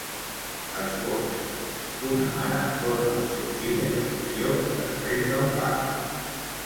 Esbós: Un mare dóna el seu fill en adopció després del part.